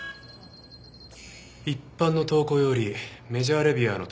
一般の投稿よりメジャー・レビュアーの投稿ですか。